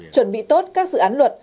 chuẩn bị tốt các dự án luật